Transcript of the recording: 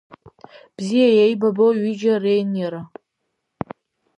Бзиа иеибабо ҩыџьа реиниара…